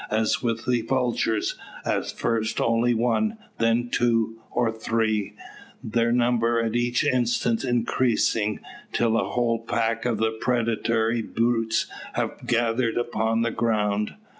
As with the vultures, at first only one; then two or three; their number at each instant increasing, till a whole pack of the predatory brutes have gathered upon the ground.